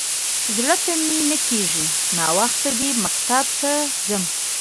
_زړه ته مې نه کېږي. ناوخته دی، مکتب ته ځم.